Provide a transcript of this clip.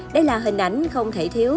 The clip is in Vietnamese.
đây là hình ảnh không thể thiếu